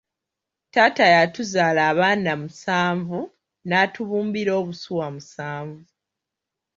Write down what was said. Taata yatuzaala abaana musanvu, n'atubumbira obusuwa musanvu.